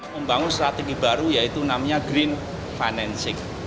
membangun strategi baru yaitu namanya green financing